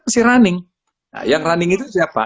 masih running yang running itu siapa